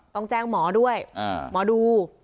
ต้องแจ้งหมอด้วยหมอดู